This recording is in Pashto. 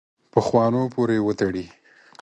پخوانو پورې وتړي.